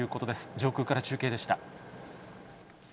上空から中継でした。